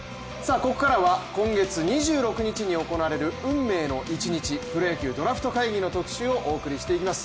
ここからは今月２６日に行われる運命の一日プロ野球ドラフト会議の特集をお送りしていきます。